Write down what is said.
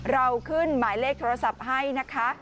เราขึ้นหมายเลขโทรศัพท์ให้นะคะ